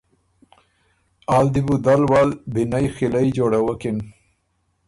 آ ل دی بُو دل ول بینئ خیلئ جوړوَکِن